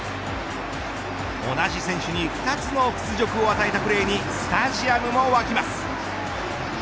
同じ選手に２つの屈辱を与えたプレーにスタジアムも沸きます。